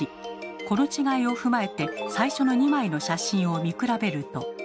この違いを踏まえて最初の２枚の写真を見比べると。